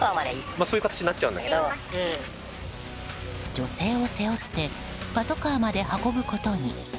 女性を背負ってパトカーまで運ぶことに。